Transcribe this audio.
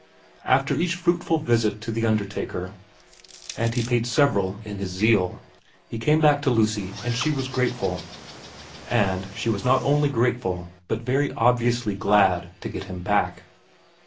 After each fruitful visit to the undertaker, and he paid several in his zeal, he came back to Lucy and she was grateful ; and she was not only grateful, but very obviously glad to get him back.